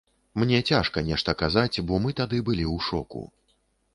Мне цяжка нешта казаць, бо мы тады былі ў шоку.